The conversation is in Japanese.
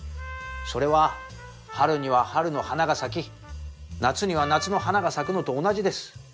それは春には春の花が咲き夏には夏の花が咲くのと同じです。